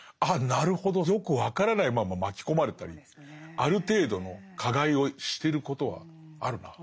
なるほどよく分からないまま巻き込まれたりある程度の加害をしてることはあるなって。